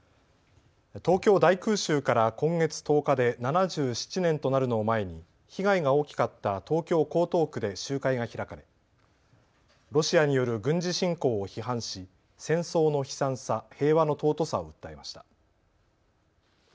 東京大空襲から今月１０日で７７年となるのを前に被害が大きかった東京江東区で集会が開かれロシアによる軍事侵攻を批判し戦争の悲惨さ、平和の尊さを訴えました。